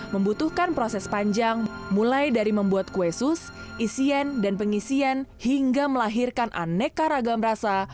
membutuhkan proses panjang mulai dari membuat kue sus isian dan pengisian hingga melahirkan aneka ragam rasa